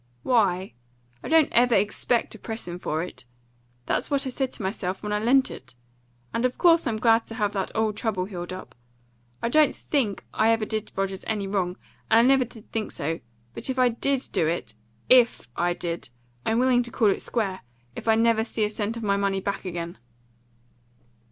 "Why, I don't ever EXPECT to press him for it. That's what I said to myself when I lent it. And of course I'm glad to have that old trouble healed up. I don't THINK I ever did Rogers any wrong, and I never did think so; but if I DID do it IF I did I'm willing to call it square, if I never see a cent of my money back again."